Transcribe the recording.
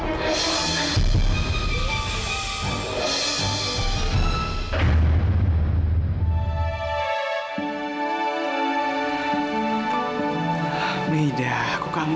siapa yang membaliasi aku lagi